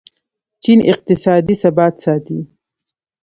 چین اقتصادي ثبات ساتي.